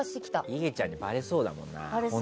いげちゃんにばれそうだもんな。